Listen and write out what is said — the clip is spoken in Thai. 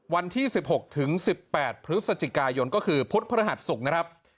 วันที่๑๖ถึง๑๘พฤศจิกายนก็คือพุธพฤหัสศุกร์นะครับ